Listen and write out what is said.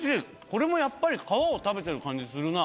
これもやっぱり、皮を食べてる感じするな。